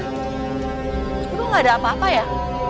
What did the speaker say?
tapi kok gak ada apa apa ya